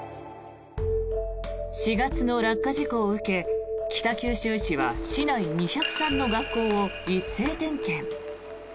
４月の落下事故を受け北九州市は市内２０３の学校を一斉点検。